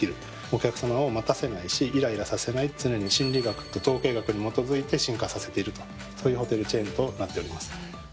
お客さまを待たせないしいらいらさせない常に心理学と統計学に基づいて進化させているとそういうホテルチェーンとなっております。